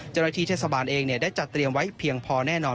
เจ้าหน้าที่เทศบาลเองได้จัดเตรียมไว้เพียงพอแน่นอน